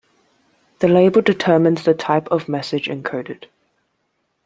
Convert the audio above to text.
The label determines the type of message encoded.